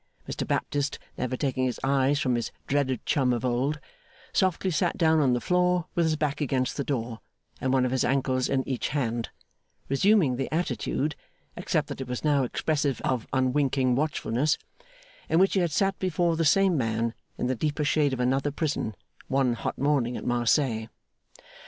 Mr Baptist, never taking his eyes from his dreaded chum of old, softly sat down on the floor with his back against the door and one of his ankles in each hand: resuming the attitude (except that it was now expressive of unwinking watchfulness) in which he had sat before the same man in the deeper shade of another prison, one hot morning at Marseilles.